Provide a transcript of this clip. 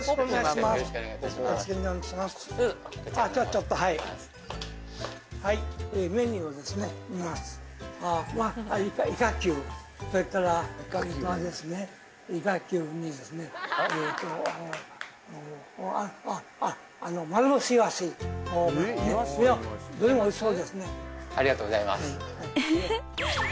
まっねっありがとうございます